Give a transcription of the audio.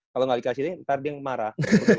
kalo ga dikasih ring ntar dia marah